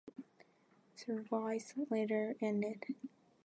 Service later ended.